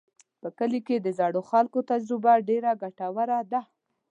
په کلي کې د زړو خلکو تجربه ډېره ګټوره ده.